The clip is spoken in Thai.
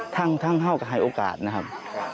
ทั้งแห่งให้โอกาสนะครับ